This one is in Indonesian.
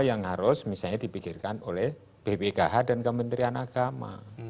yang harus misalnya dipikirkan oleh bpkh dan kementerian agama